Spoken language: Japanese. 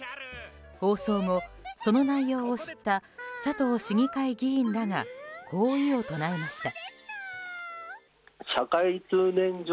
放送後、その内容を知った佐藤市議会議員らがこう異を唱えました。